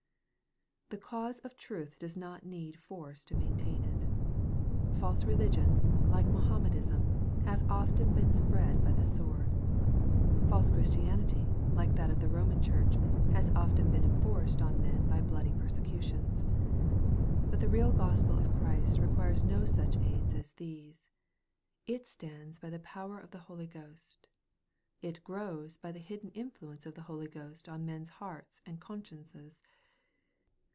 The cause of truth does not need force to maintain it. False religions, like Mohammedanism, have often been spread by the sword. False Christianity, like that of the Koman Church, has often been enforced on men by bloody persecutions. But the real Gospel of Christ requires no such aids as these. It stands by the power of the Holy Ghost. It grows by the hidden influence of the Holy Ghost on men's hearts and consciences.